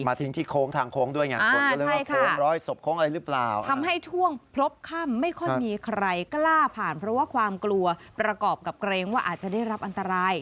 มาทิ้งที่โค้งทางโค้งด้วย